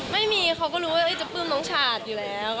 ไม่มีเขาก็รู้ว่าจะปลื้มน้องฉาดอยู่แล้ว